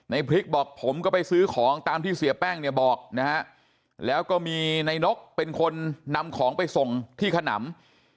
พริกบอกผมก็ไปซื้อของตามที่เสียแป้งเนี่ยบอกนะฮะแล้วก็มีในนกเป็นคนนำของไปส่งที่ขนำ